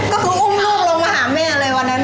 ก็คืออุ้มลูกลงมาหาแม่เลยวันนั้น